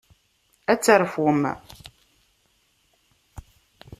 Ad terfum.